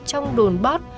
trong đồn bót